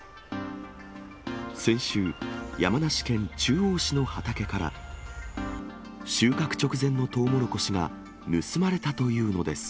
先週、山梨県中央市の畑から、収穫直前のトウモロコシが盗まれたというのです。